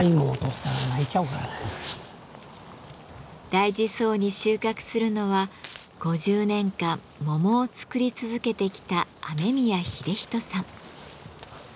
大事そうに収穫するのは５０年間桃を作り続けてきた雨宮英人さん。